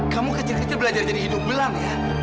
kamu kecil kecil belajar jadi hidung belang ya